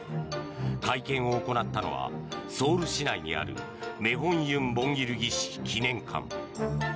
会見を行ったのはソウル市内にあるメホン・ユン・ボンギル義士記念館。